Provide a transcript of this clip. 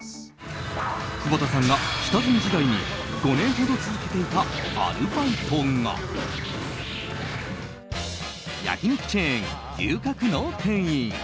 久保田さんが下積み時代に５年ほど続けていたアルバイトが焼き肉チェーン牛角の店員。